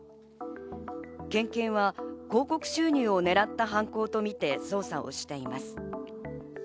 県警は広告収入を狙った犯行とみて捜査をしています。